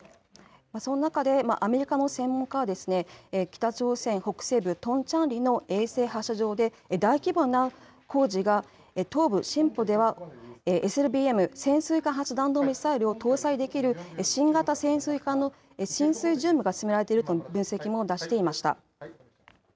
そんな中でアメリカの専門家は北朝鮮北西部トンチャンリの衛星発射場で大規模な工事が、東部シンポではＳＬＢＭ・潜水艦発射弾道ミサイルを搭載できる新型潜水艦の進水準備が進められているという分析も出しました。